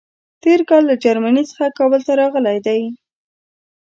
تېر کال له جرمني څخه کابل ته راغلی دی.